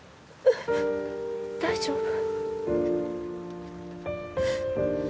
大丈夫？